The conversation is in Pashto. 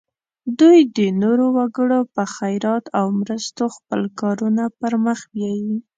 دوی د نورو وګړو په خیرات او مرستو خپل کارونه پر مخ بیایي.